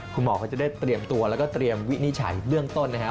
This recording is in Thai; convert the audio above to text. คุณหมอเขาจะได้เตรียมตัวแล้วก็เตรียมวินิจฉัยเบื้องต้นนะครับ